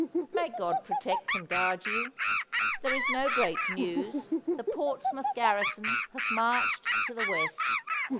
'"May God protect and guard you! There is no great news. The Portsmouth garrison hath marched to the West.